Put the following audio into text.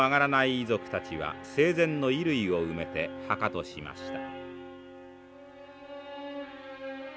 遺族たちは生前の衣類を埋めて墓としました。